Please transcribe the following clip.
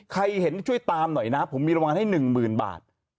ใครเห็นช่วยตามหน่อยนะผมมีรวำให้หนึ่งหมื่นบาท